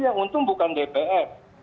yang untung bukan dpr